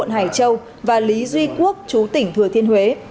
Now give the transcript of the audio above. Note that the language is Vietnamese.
hải châu và lý duy quốc chú tỉnh thừa thiên huế